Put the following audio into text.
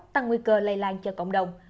tăng nguy cơ lây lan cho cộng đồng